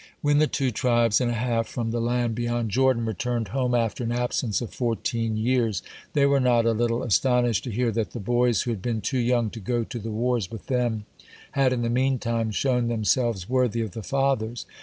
(51) When the two tribes and a half from the land beyond Jordan returned home after an absence of fourteen years, they were not a little astonished to hear that the boys who had been too young to go to the wars with them had in the meantime shown themselves worthy of the fathers.